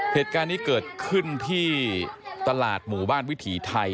เหตุการณ์นี้เกิดขึ้นที่ตลาดหมู่บ้านวิถีไทย